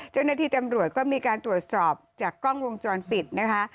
เจ้าหน้าที่ตำรวจก็มีการตรวจสอบจากกล้องวงจรปิดนะคะ